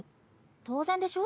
当然でしょ。